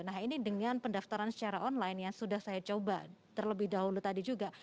nah ini dengan pendaftaran secara online yang sudah saya coba terlebih dahulu tadi juga